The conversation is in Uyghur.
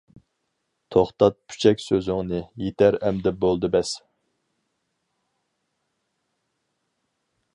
توختات پۇچەك سۆزۈڭنى يېتەر ئەمدى بولدى بەس!